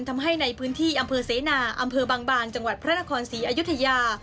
ทำให้ในพื้นที่อำเภอเสนาอำเภอบางบานจังหวัดพระนครศรีอยุธยา